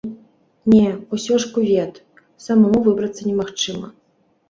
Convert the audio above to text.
Не, усё ж кювет, самому выбрацца немагчыма.